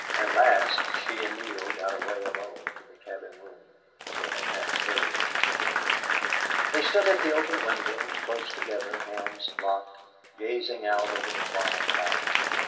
At last she and Neale got away alone to the cabin room where they had met earlier in the day. They stood at the open window, close together, hands locked, gazing out over the quiet valley.